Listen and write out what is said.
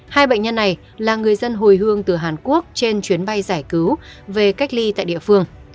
hai bệnh nhân này là người dân hồi hương từ hàn quốc trên chuyến bay giải cứu về cách ly tại địa phương